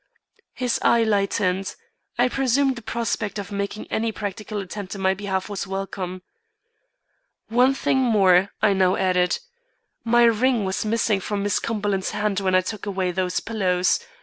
His eye lightened. I presume the prospect of making any practical attempt in my behalf was welcome. "One thing more," I now added. "My ring was missing from Miss Cumberland's hand when I took away those pillows.